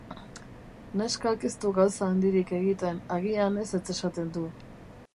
Neskak ez du gauza handirik egiten, agian ezetz esaten du.